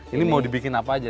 ini mau dibikin apa aja